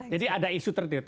jadi ada isu tertutup